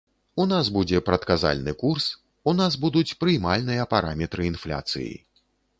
У нас будзе прадказальны курс, у нас будуць прыймальныя параметры інфляцыі.